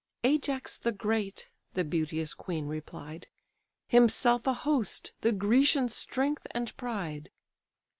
"Ajax the great, (the beauteous queen replied,) Himself a host: the Grecian strength and pride.